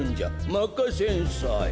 まかせんさい。